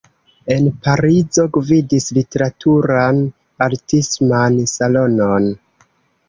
En Parizo gvidis literaturan-artisman salonon.